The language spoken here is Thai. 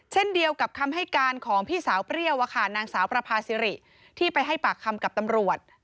เช่นเดียวกับคำให้การของพี่สาวเปรี้ยวนางสาวประพาซิริที่ไปให้ปากคำกับตำรวจ